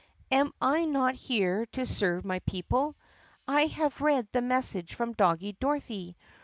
"Am I not here to serve my people? I have read the message from Doggie Dorothy.